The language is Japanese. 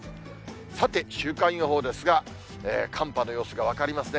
さて、週間予報ですが、寒波の様子が分かりますね。